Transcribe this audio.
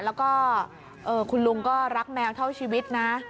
แล้วก็คุณลุงก็รักแมวเท่าชีวิตนะ